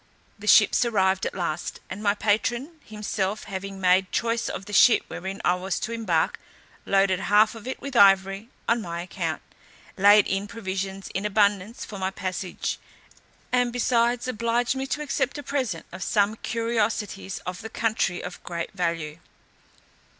The ships arrived at last, and my patron, himself having made choice of the ship wherein I was to embark, loaded half of it with ivory on my account, laid in provisions in abundance for my passage, and besides obliged me to accept a present of some curiosities of the country of great value.